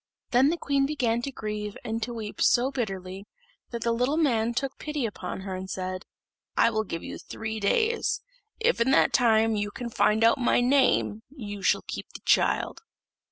Then the queen began to grieve and to weep so bitterly, that the little man took pity upon her and said, "I will give you three days; if in that time you can find out my name, you shall keep the child."